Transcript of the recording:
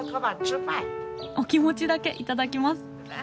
お気持ちだけ頂きます。